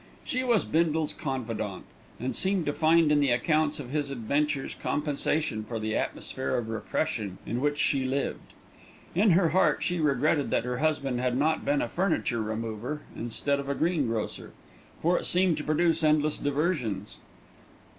She was Bindle's confidante, and seemed to find in the accounts of his adventures compensation for the atmosphere of repression in which she lived. In her heart she regretted that her husband had not been a furniture remover instead of a greengrocer; for it seemed to produce endless diversions.